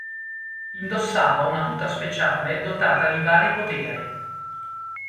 Indossava una tuta speciale dotata di vari poteri.